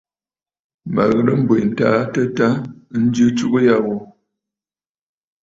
Mə ghɨ̀rə̀ m̀bwitə aa tɨta njɨ atsugə ya ghu.